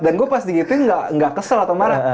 dan gue pasti gituin nggak kesel atau marah